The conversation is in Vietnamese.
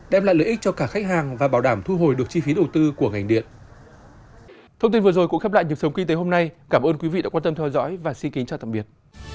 đem lại lợi ích cho cả khách hàng và bảo đảm thu hồi được chi phí đầu tư của ngành điện